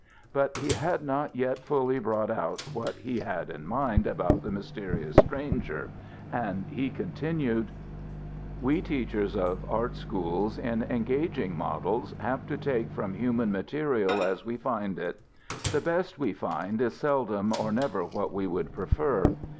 But he had not yet fully brought out what he had in mind about the mysterious stranger and he continued: "We teachers of art schools in engaging models have to take from human material as we find it. The best we find is seldom or never what we would prefer.